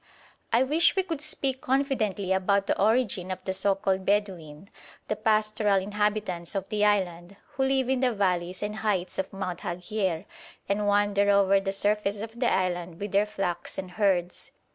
I wish we could speak confidently about the origin of the so called Bedouin, the pastoral inhabitants of the island, who live in the valleys and heights of Mount Haghier, and wander over the surface of the island with their flocks and herds.